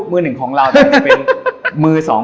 มือหนึ่งของเราแต่จะเป็นมือสอง